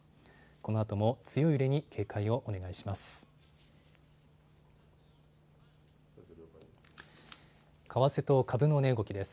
このあとも強い揺れに警戒をお願いします。